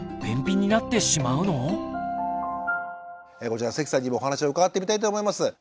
こちら関さんにもお話を伺ってみたいと思います。